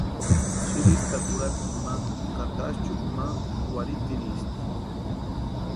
Sïristakwa urapiti ma ka táchʼukwa ma warhiitiristi.